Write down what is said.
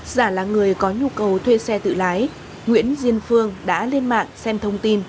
giả là người có nhu cầu thuê xe tự lái nguyễn diên phương đã lên mạng xem thông tin